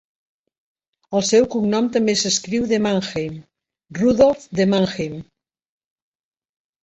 El seu cognom també s'escriu "de Mannheim": Rudolph de Mannheim.